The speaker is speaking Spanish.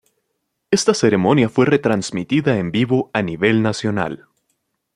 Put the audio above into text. Esta ceremonia fue retransmitida en vivo a nivel nacional.